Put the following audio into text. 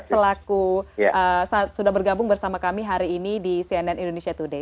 selaku sudah bergabung bersama kami hari ini di cnn indonesia today